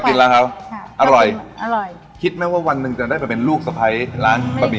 ก็กินแล้วครับอร่อยคิดไหมว่าวันหนึ่งจะได้มาเป็นลูกสะพายร้านบะหมี่